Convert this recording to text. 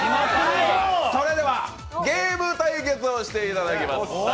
それではゲーム対決をしていただきます。